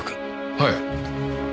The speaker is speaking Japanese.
はい。